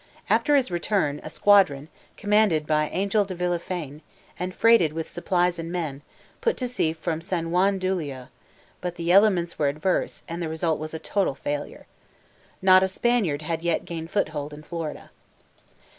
After his return, a squadron, commanded by Angel de Villafane, and freighted with supplies and men, put to sea from San Juan d'Ulloa; but the elements were adverse, and the result was a total failure. Not a Spaniard had yet gained foothold in Florida.